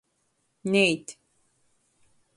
Neit.